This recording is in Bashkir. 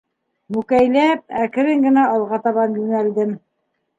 Мүкәйләп, әкрен генә алға табан йүнәлдем.